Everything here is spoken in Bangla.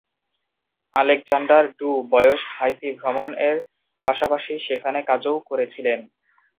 আলেকজান্ডার ডু বয়স হাইতি ভ্রমণ এর পাশাপাশি সেখানে কাজও করেছিলেন।